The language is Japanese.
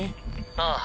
ああ。